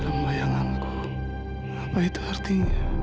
pembayanganku apa itu artinya